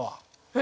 え？